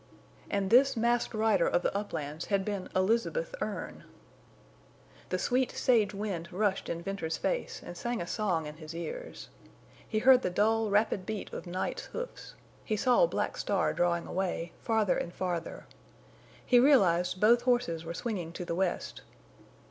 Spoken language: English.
And this Masked Rider of the uplands had been Elizabeth Erne! The sweet sage wind rushed in Venters's face and sang a song in his ears. He heard the dull, rapid beat of Night's hoofs; he saw Black Star drawing away, farther and farther. He realized both horses were swinging to the west.